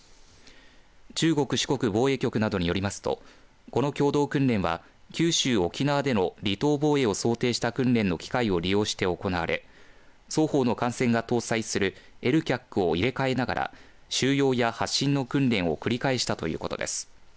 中国四国防衛局などによりますとこの共同訓練は九州、沖縄での離島防衛を想定した訓練の機会を利用して行われ双方の艦船が搭載するＬＣＡＣを入れ替えながら収容や発進の訓練を繰り返したということです。